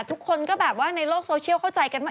ทุกคนก็แบบว่าในโลกโซเชียลเข้าใจกันมาก